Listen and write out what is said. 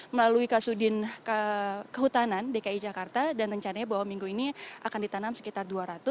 melalui kasudin kehutanan dki jakarta dan rencananya bahwa minggu ini akan ditanam sekitar dua ratus